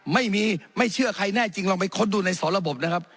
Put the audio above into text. ไม่มีไม่เชื่อใครแน่จริงลองไปค้นดูในสอระบบนะครับ